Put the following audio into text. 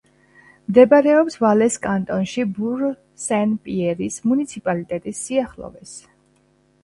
მდებარეობს ვალეს კანტონში, ბურ-სენ-პიერის მუნიციპალიტეტის სიახლოვეს.